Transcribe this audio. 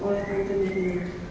oleh teman mirna